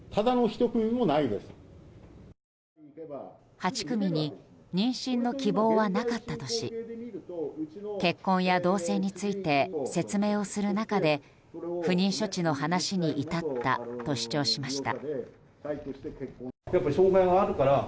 ８組に妊娠の希望はなかったとし結婚や同棲について説明をする中で不妊処置の話に至ったと主張しました。